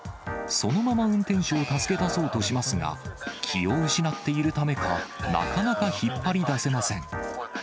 そのまま運転手を助け出そうとしますが、気を失っているためか、なかなか引っ張り出せません。